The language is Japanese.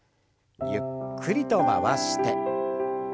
ゆっくりと回して。